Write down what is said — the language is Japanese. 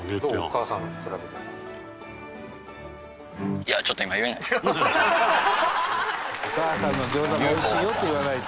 「“お母さんの餃子も美味しいよ”って言わないと」